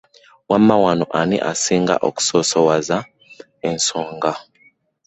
Wamma wano ani asinga okusoosowaza ensonga?